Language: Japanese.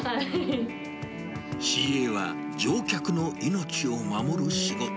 ＣＡは乗客の命を守る仕事。